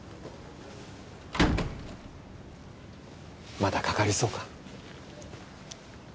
まだかかりそうか？